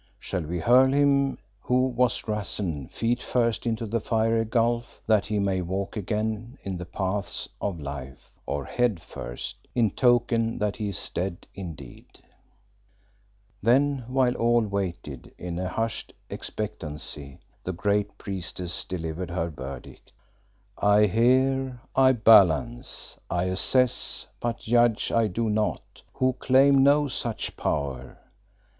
Shall we hurl him who was Rassen feet first into the fiery gulf, that he may walk again in the paths of life, or head first, in token that he is dead indeed?" Then while all waited in a hushed expectancy, the great Priestess delivered her verdict. "I hear, I balance, I assess, but judge I do not, who claim no such power.